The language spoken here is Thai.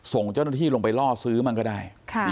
ส่งเจ้าหน้าที่ลงไปล่อซื้อมันก็ได้